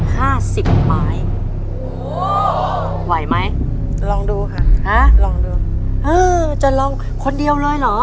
ห้าสิบไม้โอ้โหไหวไหมลองดูค่ะฮะลองดูเออจะลองคนเดียวเลยเหรอ